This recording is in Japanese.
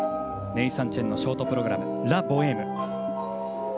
ネイサン・チェンのショートプログラム「ラ・ボエーム」。